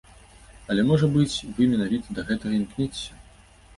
Але, можа быць, вы менавіта да гэтага імкнецеся?